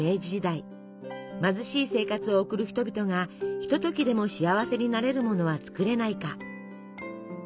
貧しい生活を送る人々がひとときでも幸せになれるものは作れないか？